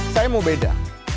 saya mau beda